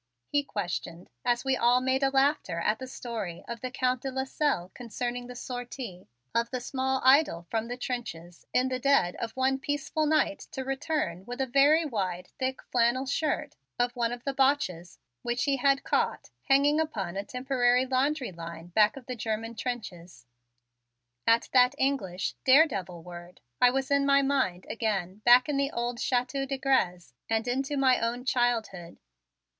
he questioned as we all made a laughter at the story of the Count de Lasselles concerning the sortie of the small idol from the trenches in the dead of one peaceful night to return with a very wide thick flannel shirt of one of the Boches, which he had caught hanging upon a temporary laundry line back of the German trenches. At that English "daredevil" word I was in my mind again back in the old Chateau de Grez and into my own childhood.